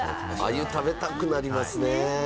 アユ食べたくなりますね。